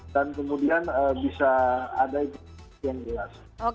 dan kemudian bisa ada yang jelas